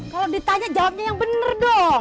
kalau ditanya jawabnya yang benar dong